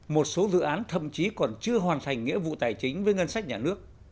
một số dự án thậm chí còn chưa hoàn thành nghĩa vụ tài chính với ngân sách nhà nước